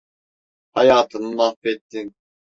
Hayatımı mahvettin!